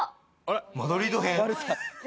マドリード編。